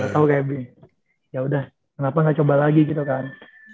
tau kayak begini yaudah kenapa gak coba lagi gitu kan